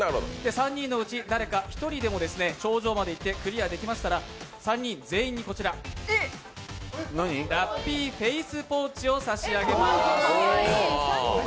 ３人のうち誰か１人が頂上まで行ってクリアできましたら３人全員に、ラッピーフェイスポーチを差し上げます。